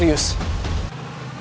dia sudah menikah